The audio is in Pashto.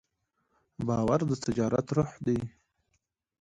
باور د تجارت روح دی.